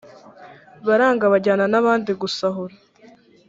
baranga bajyana n abandi gusahura